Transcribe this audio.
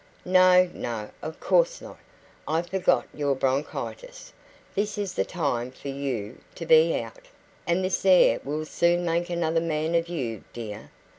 "No, no, of course not I forgot your bronchitis. This is the time for you to be out and this air will soon make another man of you, dear.